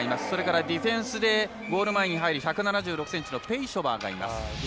それからディフェンスでゴール前に入る１７５ｃｍのペイショバーがいます。